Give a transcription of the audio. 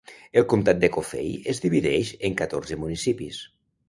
El comtat de Coffey es divideix en catorze municipis.